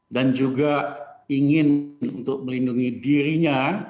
dan juga ingin untuk melindungi dirinya